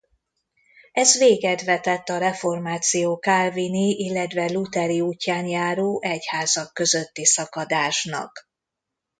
Ez véget vetett a reformáció kálvini illetve lutheri útján járó egyházak közötti szakadásnak.